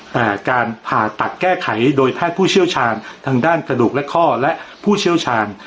แต่การผ่าตัดแก้ไขโดยแพทย์ผู้เชี่ยวชาญทางด้านกระดูกและข้อและผู้เชี่ยวชาญ